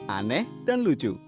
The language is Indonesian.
aneh dan lucu